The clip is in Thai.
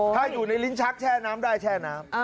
ถ้าอยู่ในลิ้นชักแช่น้ำได้แช่น้ำ